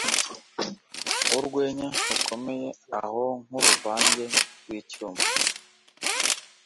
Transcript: Urwenya rukomeye aho nk'uruvange rw'icyuma